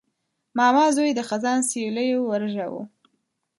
ماما زوی د خزان سیلیو ورژاوه.